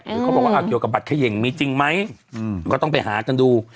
เขาบอกว่าเกี่ยวกับบัตรเขย่งมีจริงไหมก็ต้องไปหากันดู